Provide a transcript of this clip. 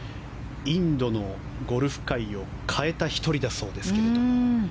インドのゴルフ界を変えた１人だそうですけど。